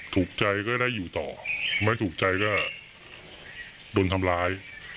ถูกใจก็ได้อยู่ต่อไม่ถูกใจก็โดนทำร้าย